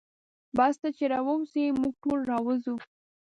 بس ته چې راووځې موږ ټول راوځو.